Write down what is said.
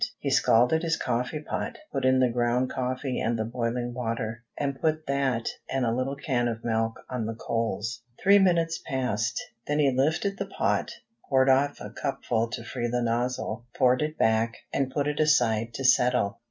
He scalded his coffee pot, put in the ground coffee and the boiling water, and put that and a little can of milk on the coals. Three minutes passed. Then he lifted the pot, poured off a cupful to free the nozzle, poured it back, and put it aside to settle.